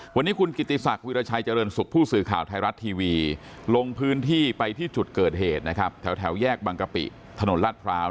วันนี้คุณกิติศักดิราชัยเจริญสุขผู้สื่อข่าวไทยรัฐทีวีลงพื้นที่ไปที่จุดเกิดเหตุนะครับแถวแยกบางกะปิถนนลาดพร้าว